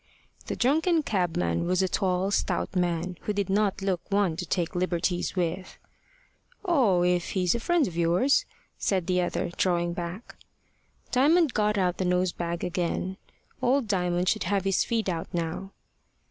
The drunken cabman was a tall, stout man, who did not look one to take liberties with. "Oh! if he's a friend of yours," said the other, drawing back. Diamond got out the nose bag again. Old Diamond should have his feed out now.